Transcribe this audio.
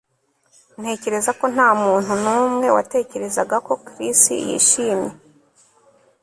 Ntekereza ko ntamuntu numwe watekerezaga ko Chris yishimye